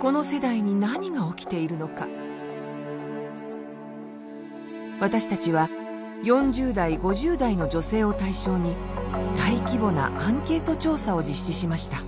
この世代に何が起きているのか私たちは４０代５０代の女性を対象に大規模なアンケート調査を実施しました。